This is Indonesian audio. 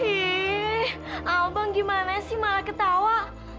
hii albang gimana sih malah ketawa